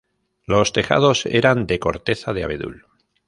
Los tejados eran de corteza de abedul.